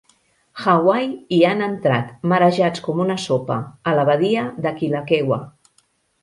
Hawaii i han entrat, marejats com una sopa, a la badia de Kealakekua.